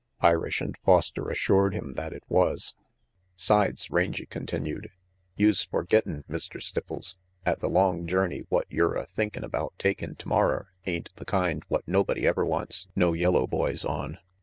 Irish and Foster assured him that it was. " 'Sides," Rangy continued, "youse forgettin', Mr. Stipples, 'at the long journey what yer a thinkin' about takin' tomorrer ain't the kind what nobody ever wants no yellow boys on.